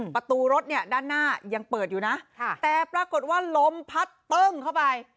ประตูรถเนี่ยด้านหน้ายังเปิดอยู่นะแต่ปรากฏว่าลมพัดตึ้งเข้าไป